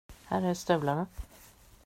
Här är stövlarna.